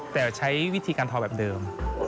แต่ใช้วิธีการทอแบบเดิม